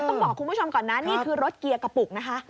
ต้องบอกคุณผู้ชมก่อนนะนี่คือรถเกียร์กระปุกนะคะ